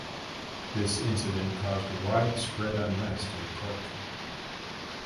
This incident caused widespread unrest in Cork.